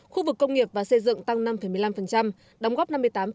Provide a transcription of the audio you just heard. khu vực công nghiệp và xây dựng tăng năm một mươi năm đóng góp năm mươi tám